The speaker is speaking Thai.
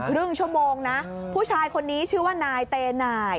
ครึ่งชั่วโมงนะผู้ชายคนนี้ชื่อว่านายเตนาย